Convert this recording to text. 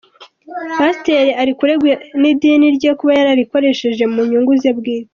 Pasiteri arikuregwa n’idini rye kuba yararikoresheja mu nyungu ze bwite.